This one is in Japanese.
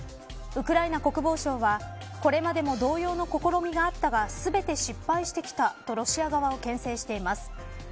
ウクライナ国防省はこれまでも同様の試みがあったが全て失敗してきたとロシア側をけん制しています。